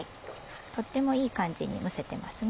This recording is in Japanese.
とってもいい感じに蒸せてますね。